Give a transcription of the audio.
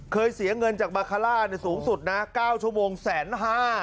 เสียเงินจากบาคาร่าสูงสุดนะ๙ชั่วโมงแสนห้า